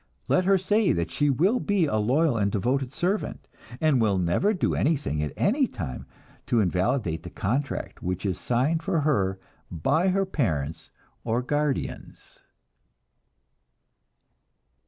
Let her say that she will be a loyal and devoted servant, and will never do anything at any time to invalidate the contract which is signed for her by her parents or guardians.